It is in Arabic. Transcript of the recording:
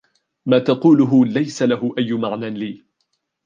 ما تقوله ليس له أيُ معنىً لي.